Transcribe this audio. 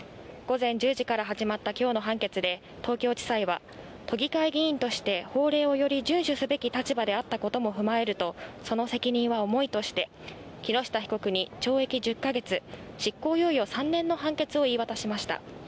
午前１０時から始まった今日の判決で東京地裁は都議会議員として法令をより順守すべき立場であったことも踏まえると、その責任は重いとして木下被告に懲役１０か月、執行猶予３年の判決を言い渡しました。